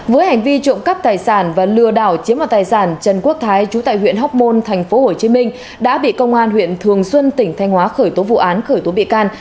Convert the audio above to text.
với hành vi trộm cắp tài sản và lừa đảo chiếm đoạt tài sản trần quốc thái chú tại huyện hóc môn tp hcm đã bị công an huyện thường xuân tỉnh thanh hóa khởi tố vụ án khởi tố bị can